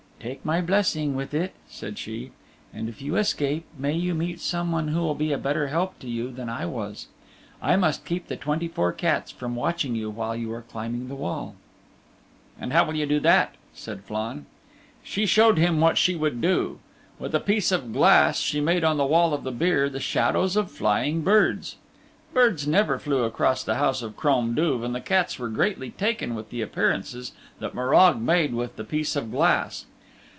"Take my blessing with it," said she, "and if you escape, may you meet someone who will be a better help to you than I was. I must keep the twenty four cats from watching you while you are climbing the wall." "And how will you do that?" said Flann. She showed him what she would do. With a piece of glass she made on the wall of the byre the shadows of flying birds. Birds never flew across the House of Crom Duv and the cats were greatly taken with the appearances that Morag made with the piece of glass.